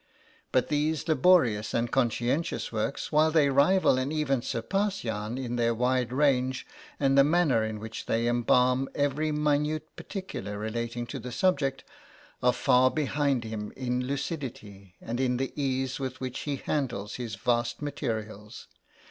But these laborious and conscientious works, while they rival and even surpass Jahn in their wide range and the manner in which they embalm every minute particular relating to the subject, are far behind him in lucidity, and in the ease with which he handles his vast materials.